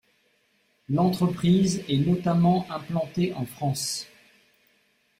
L'entreprise est notamment implantée en France.